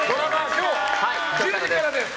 今日１０時からです